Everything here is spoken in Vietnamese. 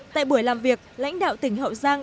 tại buổi làm việc lãnh đạo tỉnh hậu giang